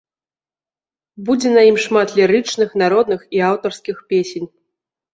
Будзе на ім шмат лірычных, народных і аўтарскіх песень.